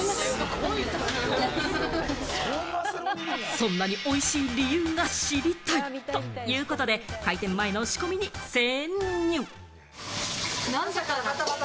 そんなにおいしい理由が知りたい！ということで開店前の仕込みに潜入。